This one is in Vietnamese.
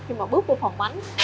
khi mà bước vô phòng bánh